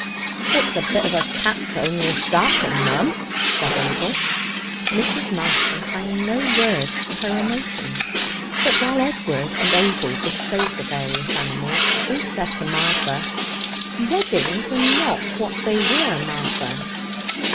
'It's a bit of a cats' 'ome you're starting, mum,' said Abel. Mrs. Marston found no words for her emotions. But while Edward and Abel bestowed the various animals, she said to Martha: 'Weddings are not what they were, Martha.'